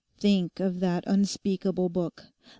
Think of that unspeakable book.